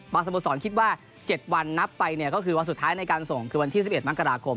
สโมสรคิดว่า๗วันนับไปเนี่ยก็คือวันสุดท้ายในการส่งคือวันที่๑๑มกราคม